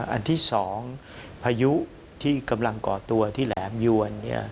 อันที่๒พายุที่กำลังก่อตัวที่แหลมยวน